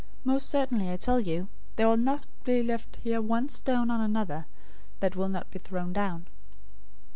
Most certainly I tell you, there will not be left here one stone on another, that will not be thrown down."